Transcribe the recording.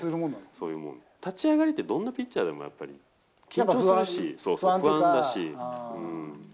立ち上がりって、どんなピッチャーでもやっぱり、緊張するし、不安だし。